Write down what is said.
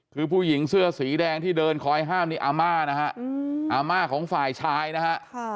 คือผู้หญิงเสื้อสีแดงที่เดินคอยห้ามนี่อาม่านะฮะอาม่าของฝ่ายชายนะฮะ